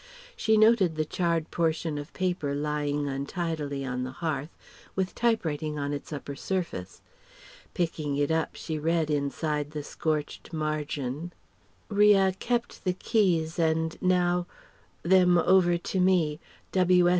She noted the charred portion of paper lying untidily on the hearth, with typewriting on its upper surface. Picking it up she read inside the scorched margin: ria kept the keys and now them over to me.